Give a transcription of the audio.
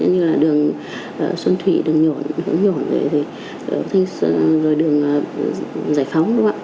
như là đường xuân thủy đường nhổn rồi đường giải phóng